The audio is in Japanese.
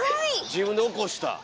自分で起こした！